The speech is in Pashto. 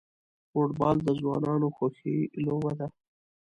فوټبال د ځوانانو خوښی لوبه ده.